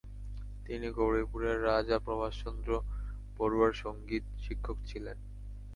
তিনি গৌরীপুরের রাজা প্রভাসচন্দ্র বড়ুয়ার সঙ্গীত শিক্ষক ছিলেন।